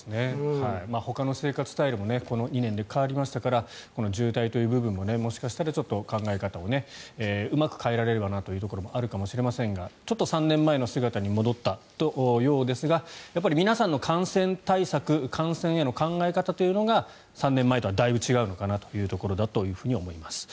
ほかの生活スタイルもこの２年で変わりましたから渋滞という部分ももしかしたら、考え方をうまく変えられればなというところもあるかもしれませんがちょっと３年前の様子に戻ったようですがやっぱり皆さんの感染対策感染への考え方というのが３年前とは、だいぶ違うのかなというところだとは思います。